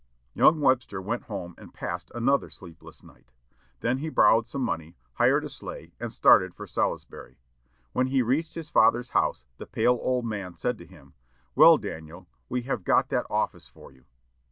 '" Young Webster went home and passed another sleepless night. Then he borrowed some money, hired a sleigh, and started for Salisbury. When he reached his father's house, the pale old man said to him, "Well, Daniel, we have got that office for you."